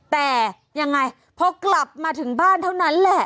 แต่ยังไงพอกลับมาถึงบ้านเท่านั้นแหละ